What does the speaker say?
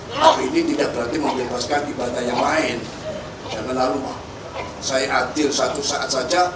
hai habis ini tidak berarti membebaskan ibadah yang lain jangan lalu saya hadir satu saat saja